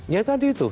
ya tadi itu